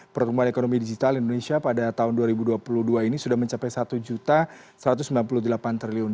pertumbuhan ekonomi digital indonesia pada tahun dua ribu dua puluh dua ini sudah mencapai rp satu satu ratus sembilan puluh delapan triliun